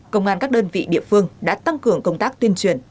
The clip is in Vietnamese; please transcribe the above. công an các đơn vị địa phương đã tăng cường công tác tuyên truyền